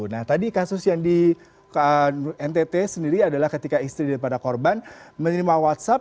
nah tadi kasus yang di ntt sendiri adalah ketika istri daripada korban menerima whatsapp